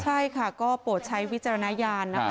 ใช่ค่ะก็โปรดใช้วิจารณญาณนะคะ